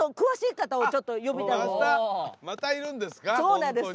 そうなんです